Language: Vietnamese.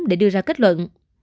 để đưa ra kết thúc